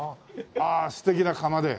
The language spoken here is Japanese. ああ素敵な窯で。